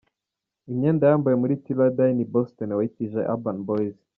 Imyenda yambawe muri ’Till I Die’ ni Boston wayitije Urban Boyz:.